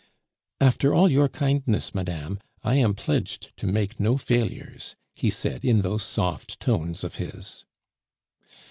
"After all your kindness, madame, I am pledged to make no failures," he said in those soft tones of his.